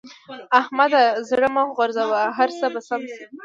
احمده! زړه مه غورځوه؛ هر څه به سم شي.